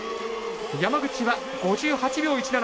山口は５８秒１７、５位。